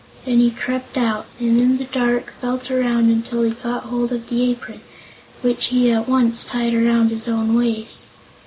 Then he crept out and in the dark felt around until he got hold of the apron, which he at once tied around his own waist.